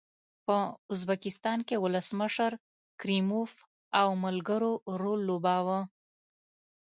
په ازبکستان کې ولسمشر کریموف او ملګرو رول لوباوه.